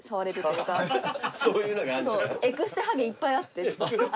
エクステはげいっぱいあって。